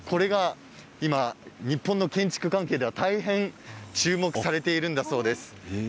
今、日本の建築関係では大変注目されているんだそうです。